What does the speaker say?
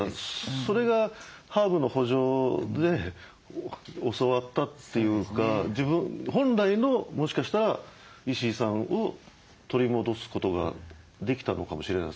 それがハーブの圃場で教わったというか自分本来のもしかしたら石井さんを取り戻すことができたのかもしれませんよね。